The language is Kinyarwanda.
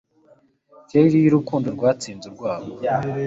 kera iyo urukundo rwatsinze urwango